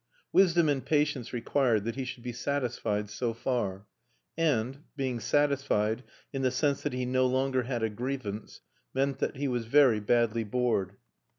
Wisdom and patience required that he should be satisfied, so far. And, being satisfied, in the sense that he no longer had a grievance, meant that he was very badly bored.